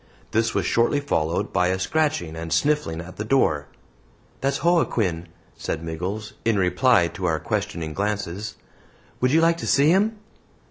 This was shortly followed by a scratching and sniffling at the door. "That's Joaquin," said Miggles, in reply to our questioning glances; "would you like to see him?"